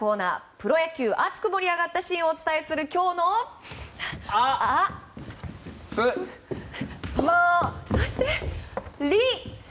プロ野球熱く盛り上がったシーンをお伝えする今日のあ、つ、も、り！